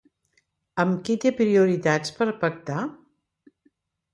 Amb qui té prioritats per pactar?